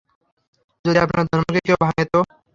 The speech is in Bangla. যদি আপনার ধর্মকে কেউ ভাঙে তো?